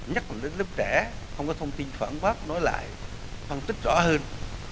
nhắc đến lớp trẻ không có thông tin phản bác nói lại phân tích rõ hơn